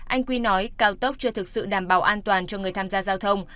anh quy nói cao tốc chưa thực sự đảm bảo an toàn cho người tham gia giao thông